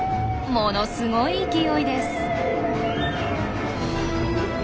ものすごい勢いです。